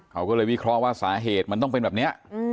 เขาก็เลยวิเคราะห์ว่าสาเหตุมันต้องเป็นแบบนี้